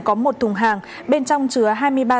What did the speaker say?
có một thùng hàng bên trong chứa